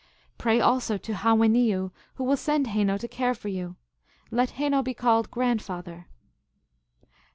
Pray also to Ha wen ni yu, who will send Heno to care for you. Let Heno be called Grandfather.